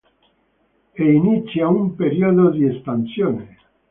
E inizia un periodo di espansione.